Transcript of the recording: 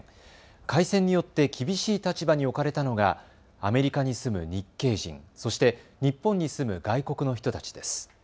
開戦によって厳しい立場に置かれたのがアメリカに住む日系人、そして日本に住む外国の人たちです。